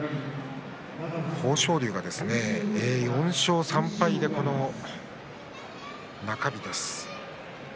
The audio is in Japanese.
豊昇龍は４勝３敗で中日です。